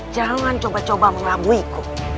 jangan coba coba mengabuiku